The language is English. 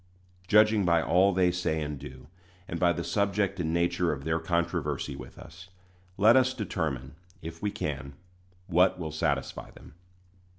Judging by all they say and do, and by the subject and nature of their controversy with us, let us determine, if we can, what will satisfy them.